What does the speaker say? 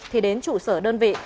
thì đến trụ sở đơn vị